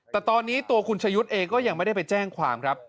แต่ตอนนี้ตัวคุณชะยุทธ์เองก็ยังไม่ได้ไปแจ้งความครับ